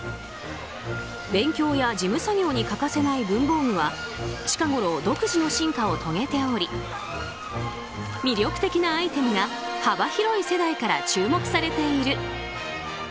勉強や事務作業に欠かせない文房具は近ごろ、独自の進化を遂げおり魅力的なアイテムが幅広い世代から注目されている。